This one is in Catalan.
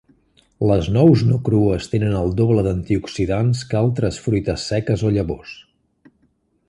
Les nous no crues tenen el doble d'antioxidants que altres fruites seques o llavors.